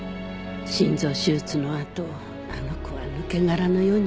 心臓手術のあとあの子は抜け殻のようになってしまって。